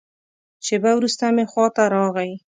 شېبه وروسته مې خوا ته راغی.